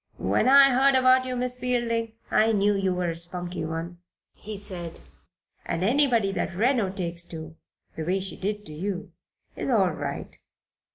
"When I heard about you, Miss Fielding, I knew you were a spunky one," he said. "And anybody that Reno takes to, the way she did to you, is all right.